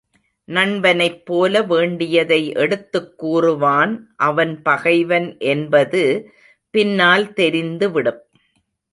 நண்பனைப் போல வேண்டியதை எடுத்துக் கூறுவான் அவன் பகைவன் என்பது பின்னால் தெரிந்து விடும்.